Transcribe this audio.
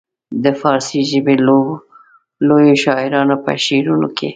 د فارسي ژبې لویو شاعرانو په شعرونو کې.